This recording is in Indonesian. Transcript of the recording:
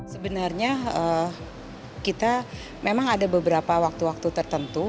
sebenarnya kita memang ada beberapa waktu waktu tertentu